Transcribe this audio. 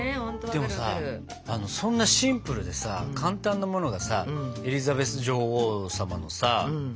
でもさそんなシンプルでさ簡単なものがさエリザベス女王様のさ好物なんでしょう？